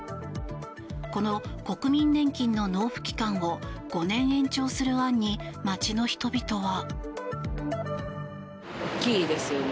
この国民年金の納付期間を５年延長する案に街の人々は。